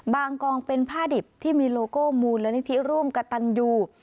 กองเป็นผ้าดิบที่มีโลโก้มูลนิธิร่วมกระตันยู